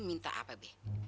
minta apa be